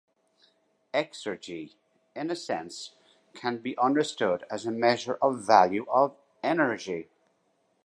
Exergy in a sense can be understood as a measure of value of energy.